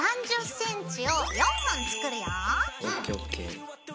３０ｃｍを４本作るよ。